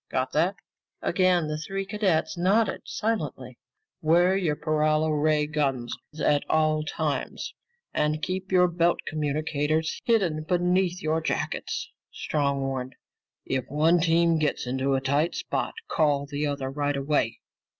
Got that?" Again the three cadets nodded silently. "Wear your paralo ray guns at all times and keep your belt communicators hidden beneath your jackets," Strong warned. "If one team gets into a tight spot, call the other right away.